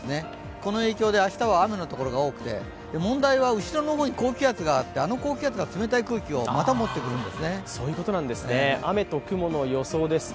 この影響で明日は雨の所が多くて問題は、後ろの方に高気圧があってあの高気圧が冷たい空気を雨と雲の予想です。